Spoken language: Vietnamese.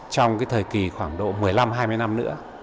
trong cái thời kỳ khoảng độ một mươi năm hai mươi năm nữa